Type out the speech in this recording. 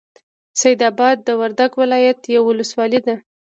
سیدآباد د وردک ولایت یوه ولسوالۍ ده.